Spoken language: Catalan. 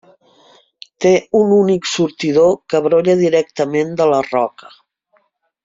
Té un únic sortidor que brolla directament de la roca.